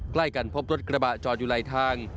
ใกล้กันพบรถกระบะจอดอยู่ไหลทาง